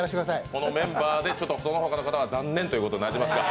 このメンバーでその他の方は残念ということになりますね。